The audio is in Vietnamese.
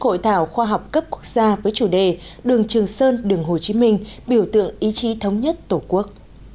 hội thảo khoa học cấp quốc gia với chủ đề đường trường sơn đường hồ chí minh biểu tượng ý chí thống nhất tổ quốc